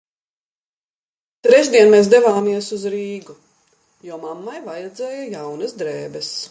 Trešdien mēs devāmies uz Rīgu, jo mammai vajadzēja jaunas drēbes.